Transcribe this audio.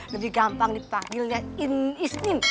lebih gampang dipanggilnya islin